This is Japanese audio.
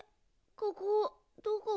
ここどこ？